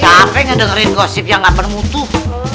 capek ngedengerin gosip yang gak bermutu